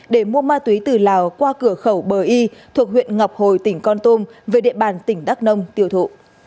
để mua ma túy từ lào qua cửa khẩu bờ y thuộc huyện ngọc hồi tỉnh con tum về địa bàn tỉnh đắk nông tiêu thụ